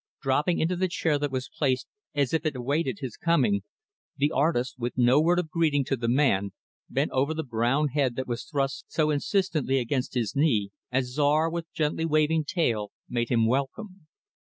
Dropping into the chair that was placed as if it awaited his coming, the artist with no word of greeting to the man bent over the brown head that was thrust so insistently against his knee, as Czar, with gently waving tail, made him welcome.